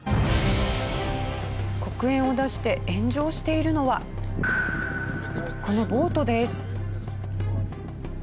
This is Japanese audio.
黒煙を出して炎上しているのはこのボートです。